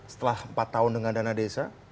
setelah empat tahun dengan dana desa